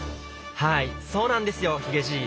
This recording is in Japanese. はいそうなんですよヒゲじい。